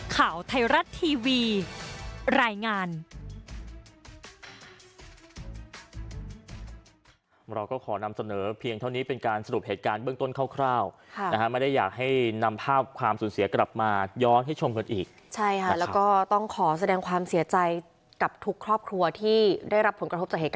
ข่าวไทยรัฐทีวีรายงาน